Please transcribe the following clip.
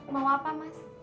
mau apa mas